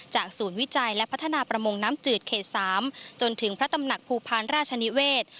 ศูนย์วิจัยและพัฒนาประมงน้ำจืดเขต๓จนถึงพระตำหนักภูพาลราชนิเวศ